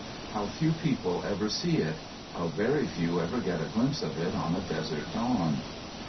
How few people ever see it! How very few ever get a glimpse of it on a desert dawn!